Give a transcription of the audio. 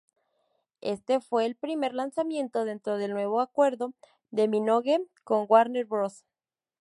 Este fue el primer lanzamiento dentro del nuevo acuerdo de Minogue con Warner Bros.